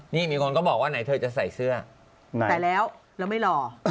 นี่มีคนก็บอกว่าไหนเธอจะใส่เสื้อใส่แล้วแล้วไม่รอ